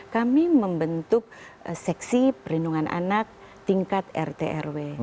kami membentuk seksi perlindungan anak tingkat rt rw